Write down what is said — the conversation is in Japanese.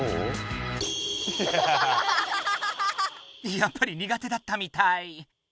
やっぱりにが手だったみたい。